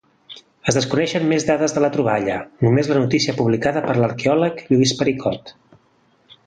Es desconeixen més dades de la troballa, només la notícia publicada per l’arqueòleg Lluís Pericot.